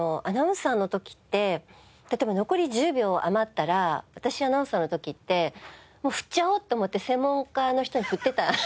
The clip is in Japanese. アナウンサーの時って例えば残り１０秒余ったら私アナウンサーの時ってもう振っちゃおうと思って専門家の人に振ってた。